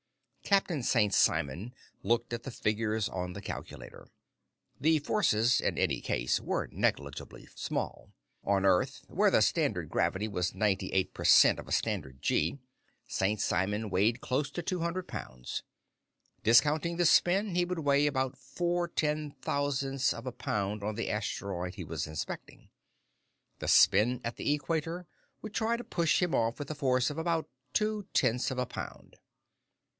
Captain St. Simon looked at the figures on the calculator. The forces, in any case, were negligibly small. On Earth, where the surface gravity was ninety eight per cent of a Standard Gee, St. Simon weighed close to two hundred pounds. Discounting the spin, he would weigh about four ten thousandths of a pound on the asteroid he was inspecting. The spin at the equator would try to push him off with a force of about two tenths of a pound.